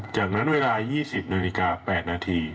จากนั้นเวลา๒๐นาฬิกา๘นาที